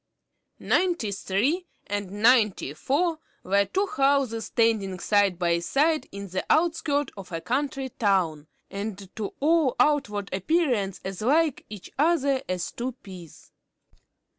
Ninety three and Ninety four were two houses standing side by side in the outskirts of a country town, and to all outward appearance as like each other as two peas.